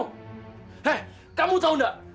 hei kamu tahu enggak